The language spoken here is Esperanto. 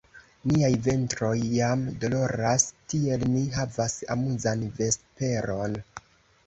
Niaj ventroj jam doloras; tiel ni havas amuzan vesperon!